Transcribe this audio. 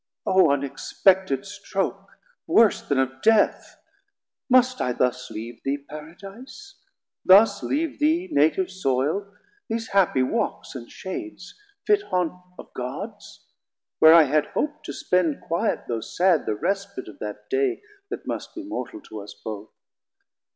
O unexpected stroke, worse then of Death! Must I thus leave thee Paradise? thus leave Thee Native Soile, these happie Walks and Shades, 270 Fit haunt of Gods? where I had hope to spend, Quiet though sad, the respit of that day That must be mortal to us both.